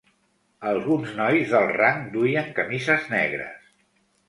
Alguns nois d'alt rang duien camises negres.